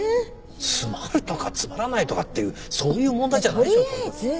つまるとかつまらないとかっていうそういう問題じゃないでしょ。